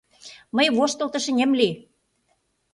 — Мый воштылтыш ынем лий...